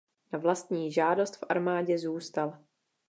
Na vlastní žádost v armádě zůstal.